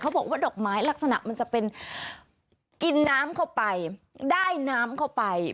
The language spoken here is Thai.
บอกว่าดอกไม้ลักษณะมันจะเป็นกินน้ำเข้าไปได้น้ำเข้าไป